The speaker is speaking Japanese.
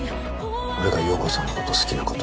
俺が陽子さんのこと好きなこと。